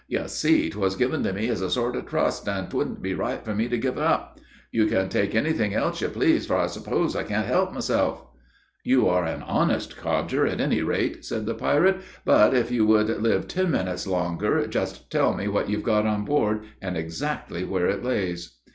"You see, 'twas given to me as a sort of trust, an' 't wouldn't be right for me to give up. You can take any thing else you please, for I s'pose I can't help myself." "You are an honest codger, at any rate," said the pirate; "but, if you would live ten minutes longer, just tell me what you've got on board, and exactly where it lays."